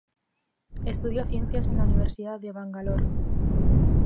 Estudió ciencias en la Universidad de Bangalore.